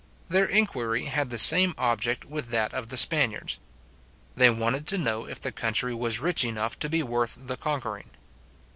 Their inquiry had the same object with that of the Spaniards. They wanted to know if the country was rich enough to be worth the conquering.